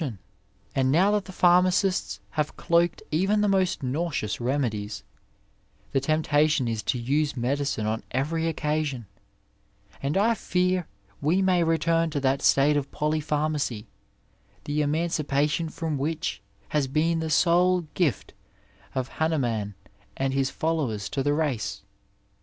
181 ^. Digitized by VjOOQIC TEACHING AND THINKING And now that the pharmacistB have cloaked even the most nauBeous remedies, the temptation is to use medicine on every occasion, and I fear we may return to that state of polypharmacy, the emancipation from which has been the sole gift of Hahnemann and his followers to the race.